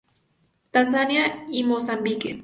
Tanzania y Mozambique.